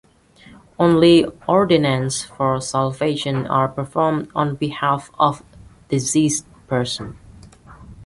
Only ordinances for salvation are performed on behalf of deceased persons.